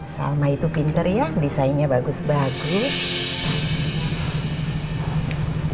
salma itu pinter ya desainnya bagus bagus